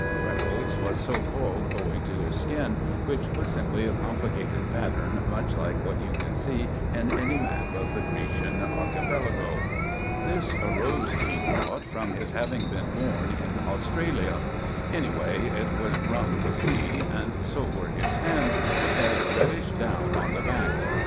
Freckles was so called owing to his skin, which was simply a complicated pattern much like what you can see in any map of the Grecian Archipelago. This arose, he thought, from his having been born in Australia. Anyway, it was rum to see; and so were his hands, which had reddish down on the backs.